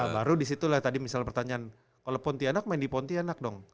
baru di situ lah tadi misal pertanyaan kalau pontianak main di pontianak dong